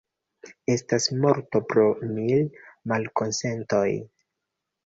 Estas morto pro mil malkonsentoj.